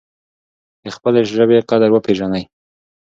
د خپلې ژبې قدر وپیژنئ.